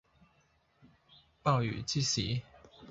鮑魚之肆